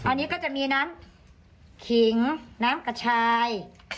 อันนี้ก็จะมีน้ำขิงน้ำกระชาย